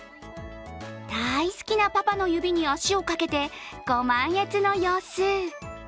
大好きなパパの指に足をかけてご満悦の様子。